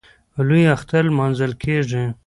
لوی اختر نماځل کېږي.